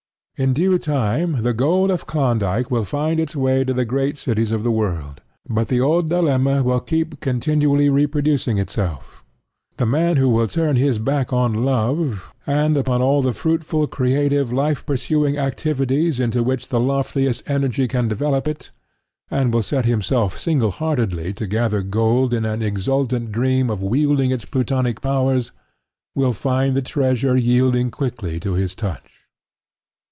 In due time the gold of Klondyke will find its way to the great cities of the world. But the old dilemma will keep continually reproducing itself. The man who will turn his back on love, and upon all the fruitful it, and will set himself single heartedly to gather gold in an exultant dream of wielding its Plutonic powers, will find the treasure yielding quickly to his touch.